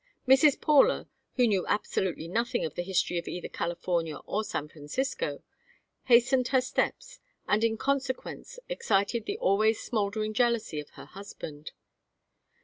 Mrs. Paula, who knew absolutely nothing of the history of either California or San Francisco, hastened her steps, and in consequence excited the always smouldering jealousy of her husband.